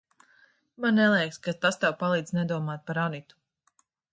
Man neliekas, ka tas tev palīdz nedomāt par Anitu.